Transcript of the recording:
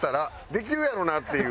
できるやろなっていう。